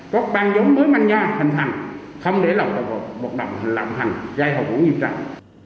các ban giống mới manh nha hình thành không để loại hoạt động lộng hành gây hậu vũ nghiệp trạng